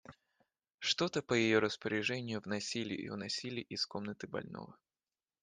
Что-то по ее распоряжению вносили и уносили из комнаты больного.